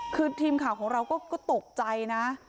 คือทีมข่าวของเราก็ตกใจนะ